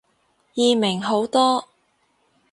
易明好多